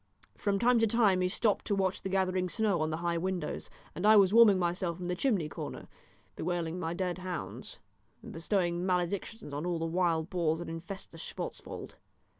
From time to time he stopped to watch the gathering snow on the high windows, and I was warming myself in the chimney corner, bewailing my dead hounds, and bestowing maledictions on all the wild boars that infest the Schwartzwald.